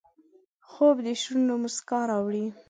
خوب د شونډو مسکا راوړي